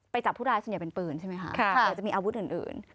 ไปจับผู้ร้ายจะอย่าเป็นปืนใช่ไหมคะอยากจะมีอาวุธอื่นค่ะค่ะ